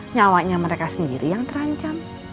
nyawanya mereka sendiri yang terancam